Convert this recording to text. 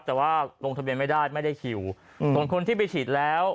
แต่ว่าลงทะเบียนไม่ได้ไม่ได้คิวส่วนคนที่ไปฉีดแล้ว